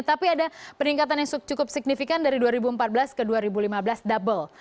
tapi ada peningkatan yang cukup signifikan dari dua ribu empat belas ke dua ribu lima belas double